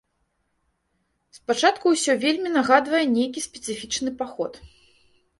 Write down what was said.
Спачатку ўсё вельмі нагадвае нейкі спецыфічны паход.